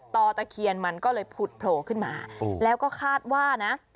ตะเคียนมันก็เลยผุดโผล่ขึ้นมาแล้วก็คาดว่านะ